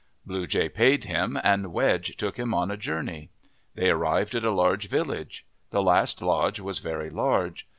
Blue Jay paid him, and Wedge took him on a journey. They arrived at a large village. The last lodge was very large.